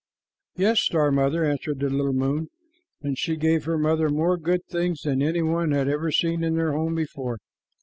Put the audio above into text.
"Yes, star mother," answered the little moon, and she gave her mother more good things than any one had ever seen in their home before.